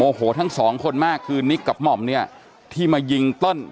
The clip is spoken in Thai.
โหทั้งสองคนมากคือนิกกับหม่อมเนี่ยที่มายิงเติ้ล